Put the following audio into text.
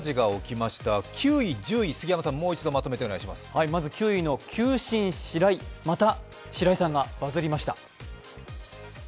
まず９位の球審白井、また白井さんがバズりました。